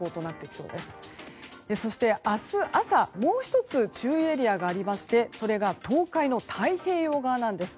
そして、明日朝もう１つ注意エリアがありましてそれが東海の太平洋側なんです。